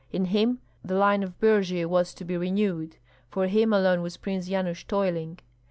In him the line of Birji was to be renewed, for him alone was Prince Yanush toiling.